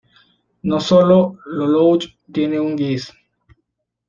No sólo Lelouch tiene un Geass.